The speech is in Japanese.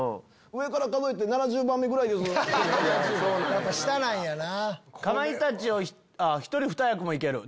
やっぱ下なんやな。